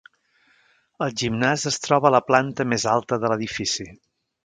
El gimnàs es troba a la planta més alta de l'edifici.